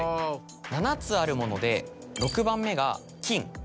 ７つあるもので６番目がきん。